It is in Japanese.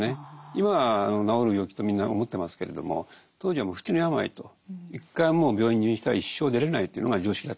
今は治る病気とみんな思ってますけれども当時はもう不治の病と一回もう病院に入院したら一生出れないというのが常識だった時代ですから。